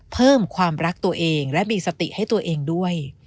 เพิ่มความรักตัวเองและมีสติให้ตัวเองด้วย